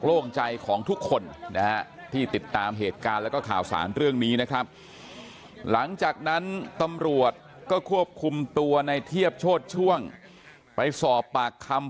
โล่งใจของทุกคนนะฮะที่ติดตามเหตุการณ์แล้วก็ข่าวสารเรื่องนี้นะครับหลังจากนั้นตำรวจก็ควบคุมตัวในเทียบโชธช่วงไปสอบปากคำ